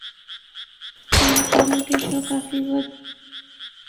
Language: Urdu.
کرن جوہر کے شوکافی ود